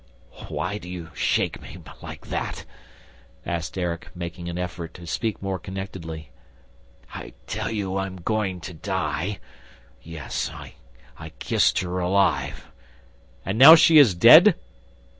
"Why do you shake me like that?" asked Erik, making an effort to speak more connectedly. "I tell you that I am going to die... Yes, I kissed her alive ..." "And now she is dead?"